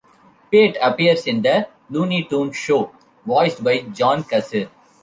Pete appears in "The Looney Tunes Show" voiced by John Kassir.